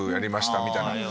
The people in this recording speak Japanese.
みたいな。